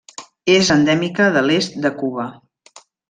És endèmica de l'est de Cuba.